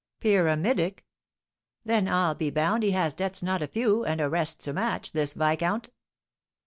"Pyramidic!" "Then, I'll be bound, he has debts not a few, and arrests to match, this viscount."